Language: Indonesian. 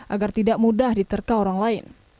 agar tidak mudah diterka orang lain